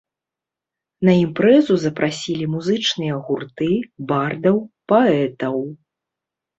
На імпрэзу запрасілі музычныя гурты, бардаў, паэтаў.